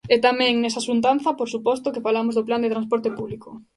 E tamén nesa xuntanza por suposto que falamos do Plan de transporte público.